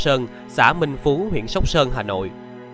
trường sóc sơn xã minh phú huyện sóc sơn hà nội